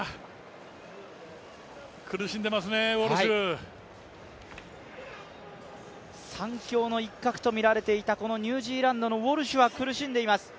苦しんでますね、ウォルシュ３強の一角と見られていたニュージーランドのウォルシュは苦しんでいます。